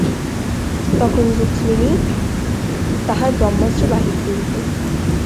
তখন রুক্মিণী তাহার ব্রহ্মাস্ত্র বাহির করিল।